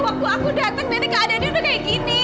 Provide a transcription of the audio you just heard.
aku datang dari keadaan dia udah kayak gini